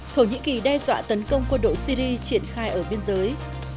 thổ nhĩ kỳ đe dọa tấn công quân đội syri triển khai ở biên giới